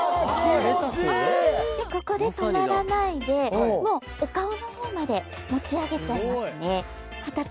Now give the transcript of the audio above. ここで止まらないでもうお顔の方まで持ち上げちゃいますね。